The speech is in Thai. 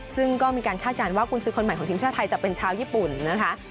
ซึ่งก็มีการคาดการณ์ว่ากุญสือคนใหม่ของทีมชาติไทยจะเป็นชาวญี่ปุ่นนะคะ